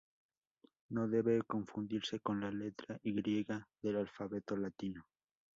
No debe confundirse con la letra Y del alfabeto latino.